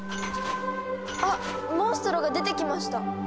あっモンストロが出てきました。